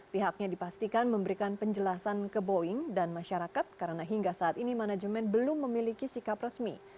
pihaknya dipastikan memberikan penjelasan ke boeing dan masyarakat karena hingga saat ini manajemen belum memiliki sikap resmi